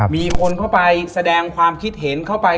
มีคนเข้าไปแสดงความคิดเห็นเข้าไป